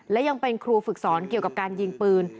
และยังเป็นครูฝึกสอนเกี่ยวกับการยิงปืน